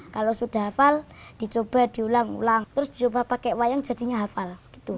kalau sudah hafal dicoba diulang ulang terus dicoba pakai wayang jadinya hafal